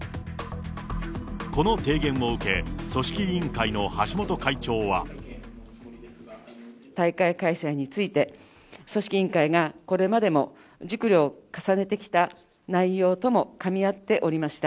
この提言を受け、組織委員会の橋本会長は。大会開催について、組織委員会がこれまでも熟慮を重ねてきた内容ともかみ合っておりました。